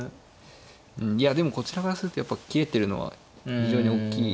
いやでもこちらからするとやっぱ切れてるのは非常におっきい。